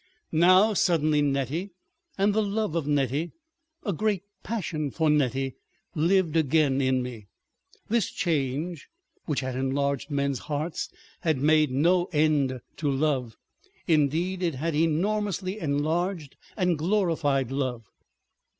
Now suddenly Nettie, and the love of Nettie, a great passion for Nettie, lived again in me. This change which had enlarged men's hearts had made no end to love. Indeed, it had enormously enlarged and glorified love.